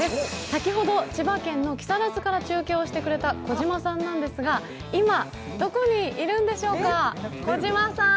先ほど千葉県の木更津から中継をしてくれた児嶋さんなんですが今どこにいるんでしょうか、児嶋さん。